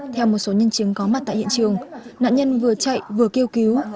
theo một số nhân chứng có mặt tại hiện trường nạn nhân vừa chạy vừa kêu cứu